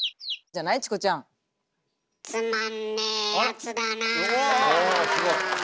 あすごい。